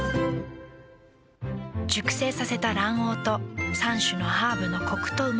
熟成させた卵黄と３種のハーブのコクとうま味。